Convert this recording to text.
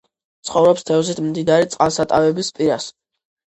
ცხოვრობს თევზით მდიდარი წყალსატევების პირას.